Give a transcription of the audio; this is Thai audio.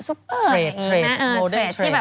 ซูเปอร์ไอ้ไหมโลเดินเทรด